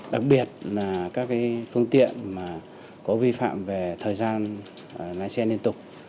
đặc biệt là các phương tiện có vi phạm về thời gian lái xe liên tục